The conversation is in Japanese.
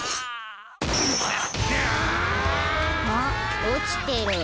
あっおちてる。